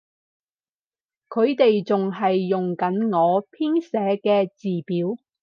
佢哋仲係用緊我編寫嘅字表